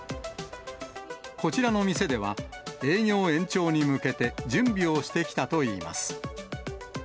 こちらの店では、営業延長に向けて準備をしてきたといいます。